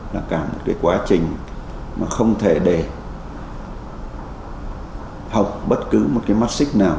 là cả một cái quá trình mà không thể để học bất cứ một cái mắt xích nào